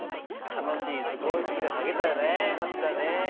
楽しい図工室がかけたよね。